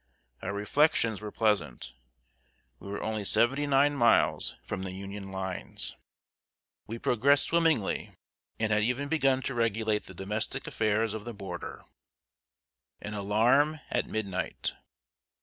Our reflections were pleasant. We were only seventy nine miles from the Union lines. We progressed swimmingly, and had even begun to regulate the domestic affairs of the border! [Sidenote: AN ALARM AT MIDNIGHT.